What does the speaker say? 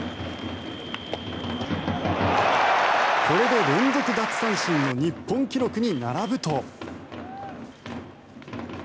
これで連続奪三振の日本記録に並ぶと。